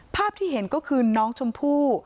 ภาพที่เห็นก็คือน้องชมพู่